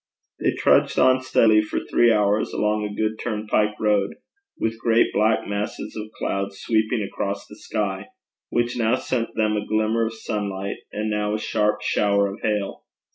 They trudged on steadily for three hours along a good turnpike road, with great black masses of cloud sweeping across the sky, which now sent them a glimmer of sunlight, and now a sharp shower of hail.